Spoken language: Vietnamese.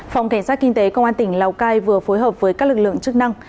phòng cảnh sát kinh tế công an tỉnh lào cai vừa phối hợp với các lực lượng chức năng